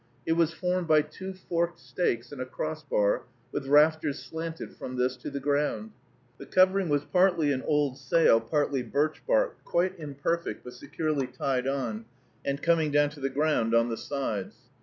It was formed by two forked stakes and a cross bar, with rafters slanted from this to the ground. The covering was partly an old sail, partly birch bark, quite imperfect, but securely tied on, and coming down to the ground on the sides.